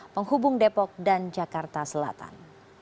penghubung depok dan jakarta selatan